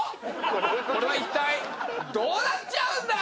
これは一体どうなっちゃうんだ！？